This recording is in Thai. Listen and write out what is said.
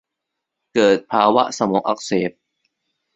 เกิดภาวะสมองอักเสบ